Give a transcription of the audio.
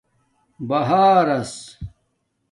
بہارس